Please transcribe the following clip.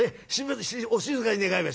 お静かに願います。